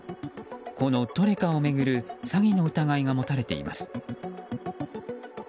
このトレカを巡る詐欺の疑いが持たれています。